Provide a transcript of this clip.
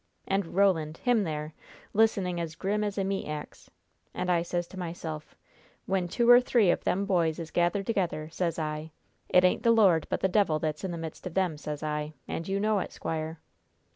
And Roland him there listening as grim as a meat ax. And I says to myself, when two or three of them boys is gathered together, sez I, it ain't the Lord, but the devil, that's in the midst of them, sez I. And you know it, squire."